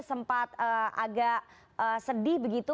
sempat agak sedih begitu